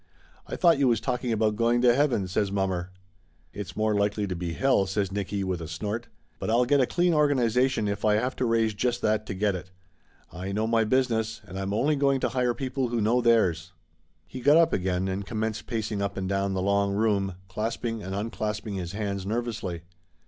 "I thought you was talking about going to heaven," says mommer. "It's more likely to be hell," says Nicky with a snort. "But I'll get a clean organization if I have to raise just that to get it ! I know my business, and I'm only going to hire people who know theirs." He got up again and commenced pacing up and down the long room, clasping and unclasping his hands nervously.